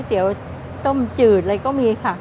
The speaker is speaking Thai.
สวัสดีค่า